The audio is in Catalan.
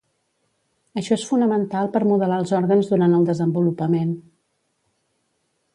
Això és fonamental per modelar els òrgans durant el desenvolupament.